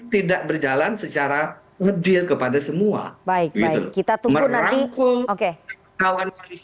tidak berjalan secara ngedil kepada semua baik baik kita tunggu nanti oke kawan kawan